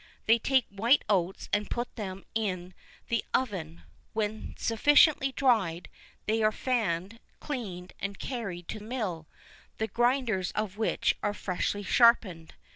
They take white oats and put them in the oven; when sufficiently dried, they are fanned, cleaned, and carried to a mill, the grinders of which are freshly sharpened.